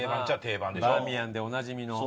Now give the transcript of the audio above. バーミヤンでおなじみの。